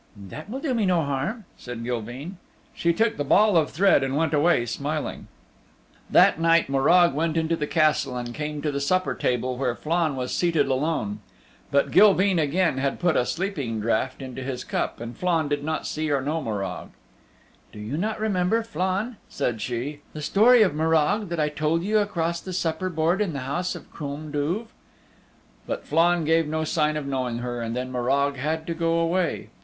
"That will do me no harm," said Gilveen. She took the ball of thread and went away smiling. That night Morag went into the Castle and came to the supper table where Flann was seated alone. But Gilveen again had put a sleeping draught into his cup, and Flann did not see or know Morag. "Do you not remember, Flann," said she, "the story of Morag that I told you across the supper board in the House of Crom Duv?" But Flann gave no sign of knowing her, and then Morag had to go away.